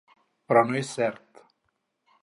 Però no és cert.